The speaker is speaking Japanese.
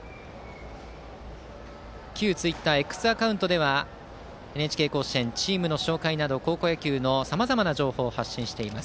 旧ツイッター「Ｘ」アカウントでは「ＮＨＫ甲子園」チームの紹介など高校野球のさまざまな情報を発信しています。